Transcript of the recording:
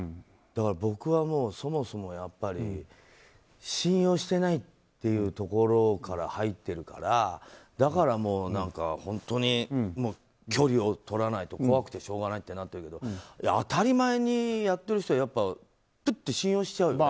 僕はそもそもやっぱり信用していないというところから入っているからだから、本当に距離を取らないと怖くてしょうがないってなるけど当たり前にやってる人は信用しちゃうよね。